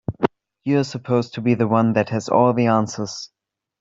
You're supposed to be the one that has all the answers.